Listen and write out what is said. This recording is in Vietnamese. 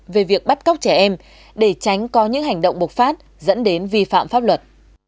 về việc bắt cóc trẻ em để tránh có những hành động bộc phát dẫn đến vi phạm pháp luật